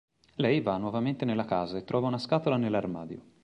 Lei va nuovamente nella casa e trova una scatola nell'armadio.